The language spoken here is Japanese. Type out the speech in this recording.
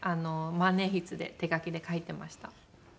万年筆で手書きで書いてました。